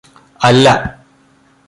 അല്ല